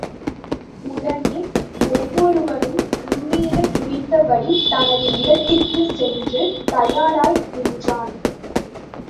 உடனே ஒவ்வொருவனும் முன்னரே குறித்தபடி தனது இடத்திற்குச் சென்று தயாராய் நின்றான்.